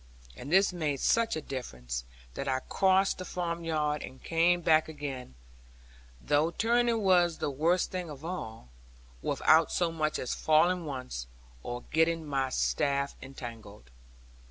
And this made such a difference, that I crossed the farmyard and came back again (though turning was the worst thing of all) without so much as falling once, or getting my staff entangled.